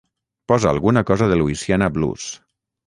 Posa alguna cosa de Louisiana Blues.